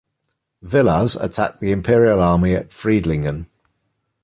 Villars attacked the Imperial army at Friedlingen.